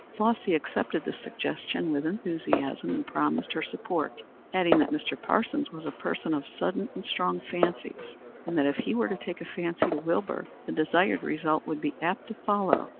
Flossy accepted the suggestion with enthusiasm and promised her support, adding that Mr. Parsons was a person of sudden and strong fancies, and that if he were to take a fancy to Wilbur, the desired result would be apt to follow.